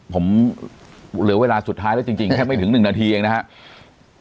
ผมเหลือเวลาสุดท้ายแล้วจริงแค่ไม่ถึง๑นาทีเองนะครับ